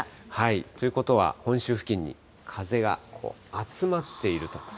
ということは、本州付近に風が集まっていると。